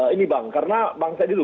ini bang karena bang saya diru